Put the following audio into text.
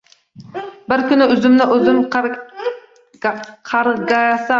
Bir kuni uzimni uzim qargasam